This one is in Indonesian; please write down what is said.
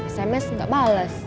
sms enggak bales